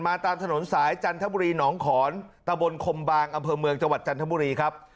ตามถนนสายจันทบุรีหนองขอนตะบนคมบางอำเภอเมืองจังหวัดจันทบุรีครับ